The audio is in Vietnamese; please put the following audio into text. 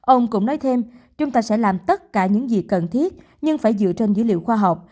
ông cũng nói thêm chúng ta sẽ làm tất cả những gì cần thiết nhưng phải dựa trên dữ liệu khoa học